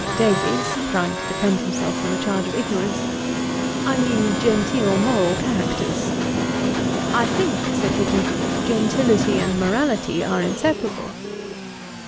DAVIES (trying to defend himself from a charge of ignorance,) 'I mean genteel moral characters.' 'I think (said Hicky,) gentility and morality are inseparable.'